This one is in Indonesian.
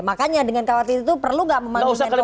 makanya dengan khawatir itu perlu gak memanggil menko paluka